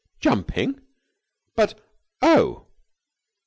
"Jumping! But oh!"